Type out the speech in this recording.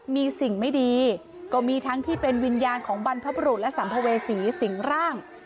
มีสิ่งไม่ดีก็มีทั้งที่เป็นวิญญาณของบรรพบรุษและสัมภเวษีสิงร่าง